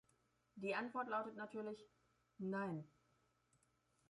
Die Antwort lautet natürlich "Nein".